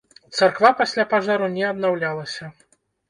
Царква пасля пажару не аднаўлялася.